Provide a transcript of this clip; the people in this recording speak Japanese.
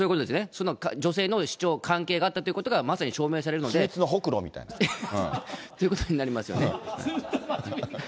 その女性の主張、関係があったということが、秘密のほくろみたいな。ということになりますよね。